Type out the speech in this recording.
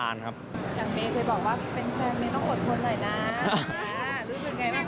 อย่างเบคุยบอกว่าพี่เป็นเซ็นต์นี้ต้องกดทนหน่อยนะ